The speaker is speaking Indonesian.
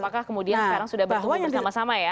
apakah kemudian sekarang sudah bertumbuh sama sama ya